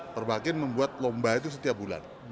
perbakin membuat lomba itu setiap bulan